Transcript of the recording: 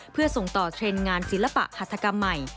เพื่อส่งต่อเทรนด์งานศิลปะหัตถกรรมใหม่